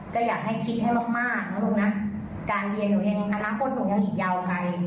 ก็อยากให้คิดให้มากนะลูกนะการเรียนหนูเองอนาคตหนูยังอีกยาวไกล